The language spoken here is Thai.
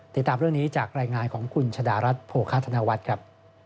ติดตามเรื่องนี้จากรายงานของคุณชะดารัฐโภคาธนวัฒน์ครับ